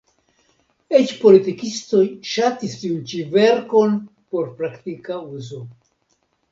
Eĉ politikistoj ŝatis tiun ĉi verkon por praktika uzo.